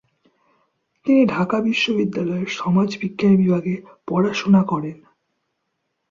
তিনি ঢাকা বিশ্ববিদ্যালয়ের সমাজবিজ্ঞান বিভাগে পড়াশুনা করেন।